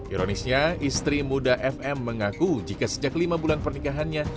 ironisnya istri muda fm mengaku jika sejak lima bulan pernikahannya